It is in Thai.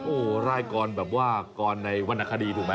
โอ้โหร่ายกรแบบว่ากรในวรรณคดีถูกไหม